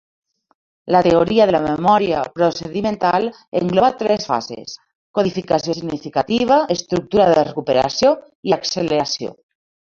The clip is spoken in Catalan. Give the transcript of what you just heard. La teoria de la memòria procedimental engloba tres fases: codificació significativa, estructura de recuperació i acceleració.